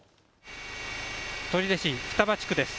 取手市双葉地区です。